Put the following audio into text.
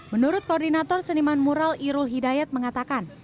menurut koordinator seniman mural irul hidayat mengatakan